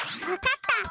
わかった。